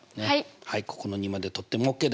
はいここの２までとってもＯＫです。